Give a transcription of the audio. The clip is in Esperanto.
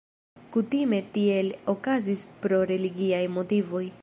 Kutime tiel okazis pro religiaj motivoj.